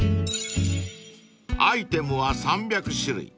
［アイテムは３００種類］